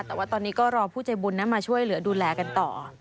แต่ว่าตอนนี้ก็รอผู้ใจบุญมาช่วยเหลือดูแลกันต่อ